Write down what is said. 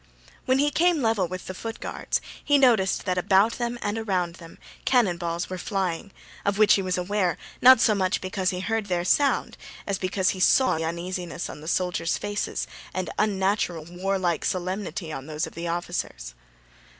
When he came level with the Foot Guards he noticed that about them and around them cannon balls were flying, of which he was aware not so much because he heard their sound as because he saw uneasiness on the soldiers' faces and unnatural warlike solemnity on those of the officers.